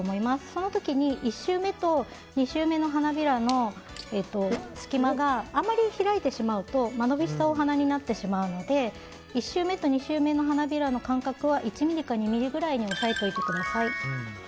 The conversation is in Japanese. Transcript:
その時に１周目と２周目の花びらの隙間があまり開いてしまうと間延びしたお花になってしまうので１周目と２周目の花びらの間隔は１ｍｍか２ｍｍくらいに抑えておいてください。